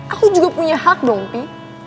aku juga punya hak dong pi